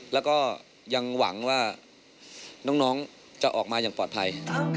แล้วก็ยังหวังว่าน้องจะออกมาอย่างปลอดภัย